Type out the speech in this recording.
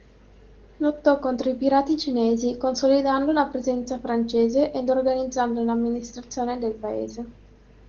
Lottò contro i pirati cinesi, consolidando la presenza francese ed organizzando l'amministrazione del paese.